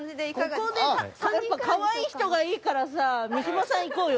やっぱかわいい人がいいからさ三島さんいこうよ。